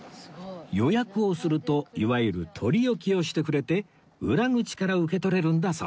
予約をするといわゆる取り置きをしてくれて裏口から受け取れるんだそう